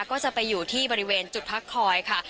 ก็จะไปอยู่ที่บริเวณจุดพักคอยค่ะ